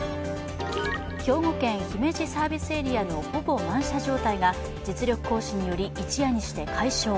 兵庫県、姫路サービスエリアのほぼ満車状態が実力行使により一夜にして海象。